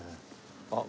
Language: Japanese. あっ！